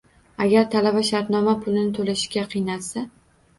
Agar talaba shartnoma pulini to‘lashga qiynalsa